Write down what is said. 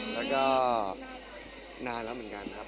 แล้วก็นานแล้วเหมือนกันครับ